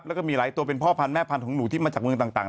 แล้วก็มีหลายตัวเป็นพ่อพันธุแม่พันธุ์หนูที่มาจากเมืองต่าง